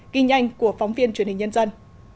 kinh nhanh của phóng viên truyền hình nhân dân